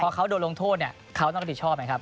พอเขาโดนลงโทษเขาต้องการติดชอบนะครับ